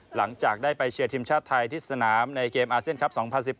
หลังจากได้ไปเชียร์ทีมชาติไทยที่สนามในเกมอาเซียนครับ๒๐๑๘